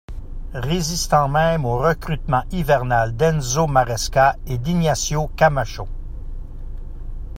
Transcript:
Résistant même au recrutement hivernal d'Enzo Maresca et d'Ignacio Camacho.